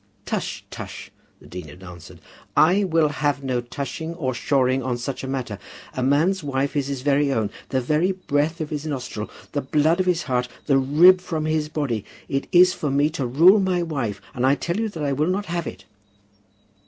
"Tush, tush," the dean had answered. "I will have no tushing or pshawing on such a matter. A man's wife is his very own, the breath of his nostril, the blood of his heart, the rib from his body. It is for me to rule my wife, and I tell you that I will not have it."